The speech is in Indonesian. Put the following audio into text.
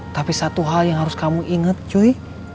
tapi satu hal yang harus kamu inget cuy